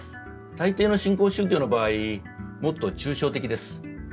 大抵の新興宗教の場合もっと抽象的です。